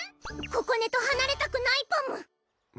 ここねとはなれたくないパム！